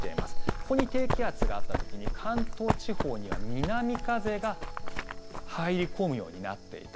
ここに低気圧があった時に関東地方には、南風が入り込むようになっていた。